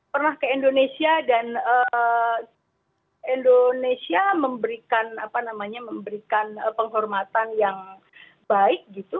pernah ke indonesia dan indonesia memberikan apa namanya memberikan penghormatan yang baik gitu